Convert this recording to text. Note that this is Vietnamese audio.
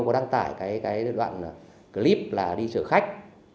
có đăng tải cái đoạn clip là đi chở khách